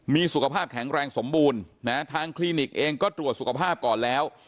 มีสุขภาพแข็งแรงสมบูรณ์นะฮะทางคลินิกเองก็ตรวจสุขภาพก่อนแล้ว